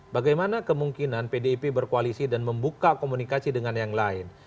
bagaimana kemungkinan pdip berkoalisi dan membuka komunikasi dengan yang lain